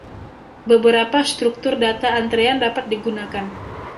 Beberapa struktur data antrean dapat digunakan.